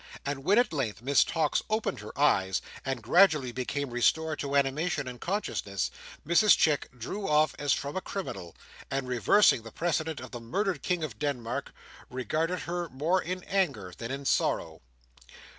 And when, at length, Miss Tox opened her eyes, and gradually became restored to animation and consciousness, Mrs Chick drew off as from a criminal, and reversing the precedent of the murdered king of Denmark, regarded her more in anger than in sorrow."